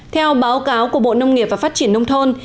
theo báo cáo của bộ nông nghiệp và phát triển nông thôn